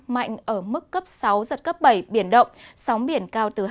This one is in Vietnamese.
mạnh ở mức cấp sáu bảy biển động sóng biển cao từ hai ba mét